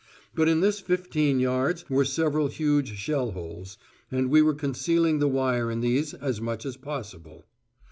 But in this fifteen yards were several huge shell holes, and we were concealing the wire in these as much as possible.